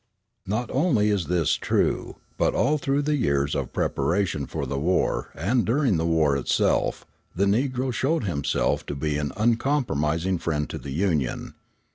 Not only is this true, but all through the years of preparation for the war and during the war itself the Negro showed himself to be an uncompromising friend to the Union.